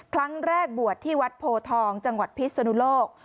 ครั้งแรกบวชที่วัดโพทองจังหวัดพิศนุโลก